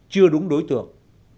chưa đúng đối tượng